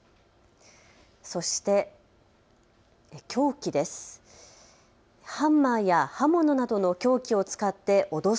そして、凶器です。